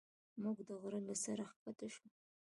موږ د غره له سره ښکته شوو.